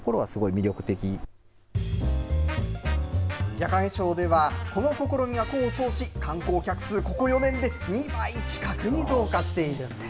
矢掛町ではこの試みが功を奏し、観光客数、ここ４年で２倍近くに増加しているんです。